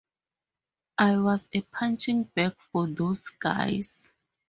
I was a punching bag for those guys.